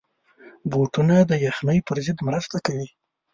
بوټونه د یخنۍ پر ضد مرسته کوي.